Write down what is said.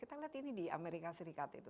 kita lihat ini di amerika serikat itu